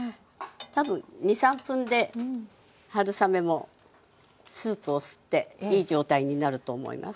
多分２３分で春雨もスープを吸っていい状態になると思います。